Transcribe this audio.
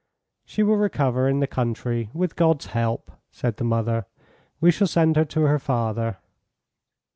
"She will recover in the country, with God's help," said the mother. "We shall send her to her father."